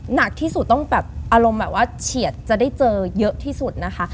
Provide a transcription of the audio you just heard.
หนักที่สุดต้องแบบอารมณ์แบบว่าเฉียดจะได้เจอเยอะที่สุดนะคะ